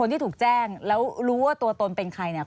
ที่ถูกแจ้งแล้วรู้ว่าตัวตนเป็นใครเนี่ย